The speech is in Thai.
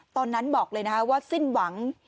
ตอนนั้นบอกเลยนะว่าสิ้นหวัง